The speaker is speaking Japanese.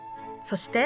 そして。